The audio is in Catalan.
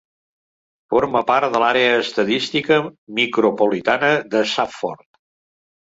Forma part de l'àrea estadística micropolitana de Safford.